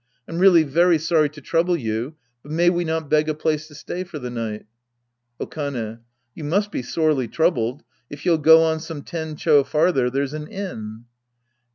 I'm really very sorry to trouble you, but may we not beg a place to stay for the night ? Okane. You must be sorely troubled ; if you'll go on some ten cho farther, there's an inn.